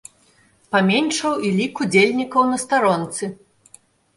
Паменшаў і лік удзельнікаў на старонцы.